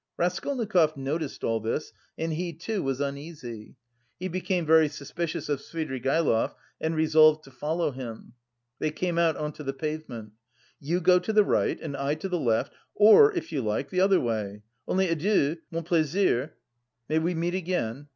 Raskolnikov noticed all this, and he too was uneasy. He became very suspicious of Svidrigaïlov and resolved to follow him. They came out on to the pavement. "You go to the right, and I to the left, or if you like, the other way. Only adieu, mon plaisir, may we meet again."